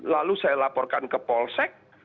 lalu saya laporkan ke polsek